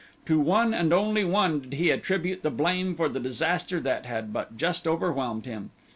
To one and only one did he attribute the blame for the disaster that had but just overwhelmed him.